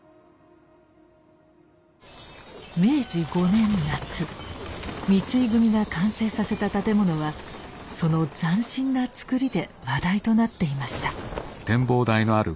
明治５年夏三井組が完成させた建物はその斬新な造りで話題となっていました。